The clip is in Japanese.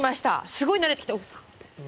すごい慣れてきた。